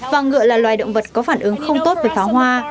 và ngựa là loài động vật có phản ứng không tốt với pháo hoa